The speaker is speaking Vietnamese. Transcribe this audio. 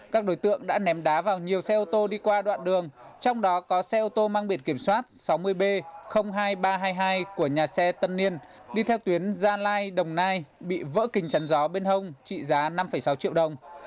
các đối tượng đã ném đá vào nhiều xe ô tô đi qua đoạn đường trong đó có xe ô tô mang biển kiểm soát sáu mươi b hai nghìn ba trăm hai mươi hai của nhà xe tân niên đi theo tuyến gia lai đồng nai bị vỡ kính chắn gió bên hông trị giá năm sáu triệu đồng